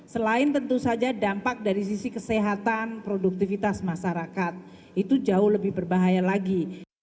selain tentu saja dampak dari sisi kesehatan produktivitas masyarakat itu jauh lebih berbahaya lagi